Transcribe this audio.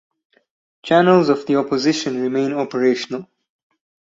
Channels of the opposition remain operational.